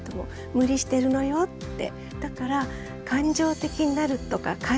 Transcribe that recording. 無理してるのよって。